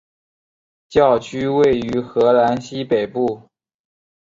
教区位于荷兰西北部。